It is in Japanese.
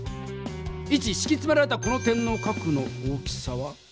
イチしきつめられたこの点の角の大きさは？